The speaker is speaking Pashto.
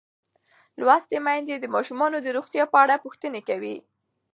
لوستې میندې د ماشومانو د روغتیا په اړه پوښتنې کوي.